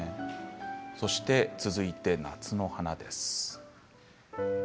そして続いて夏の花です。